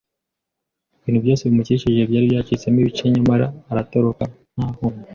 Ibintu byose bimukikije byari byacitsemo ibice, nyamara aratoroka nta nkomyi.